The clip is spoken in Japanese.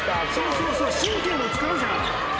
そうそう神経も使うじゃん。